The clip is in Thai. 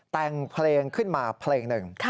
แต่งเพลงขึ้นมาเพลงหนึ่ง